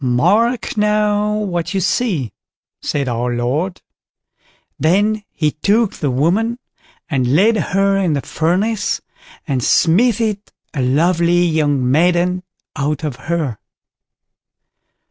"Mark now, what you see", said our Lord. Then he took the woman and laid her in the furnace, and smithied a lovely young maiden out of her.